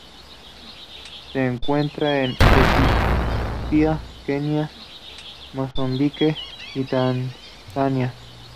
Se encuentra en Etiopía, Kenia, Mozambique y Tanzania.